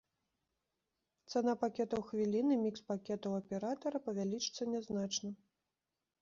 Цана пакетаў хвілін і мікс-пакетаў аператара павялічыцца нязначна.